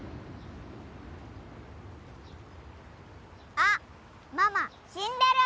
・あっママ死んでる！